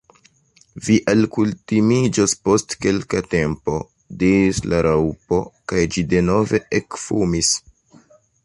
"Vi alkutimiĝos post kelka tempo," diris la Raŭpo, kaj ĝi denove ekfumis.